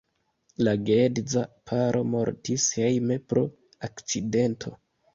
La geedza paro mortis hejme pro akcidento.